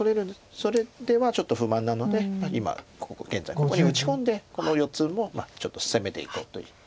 それではちょっと不満なので今現在ここに打ち込んでこの４つもちょっと攻めていこうといった。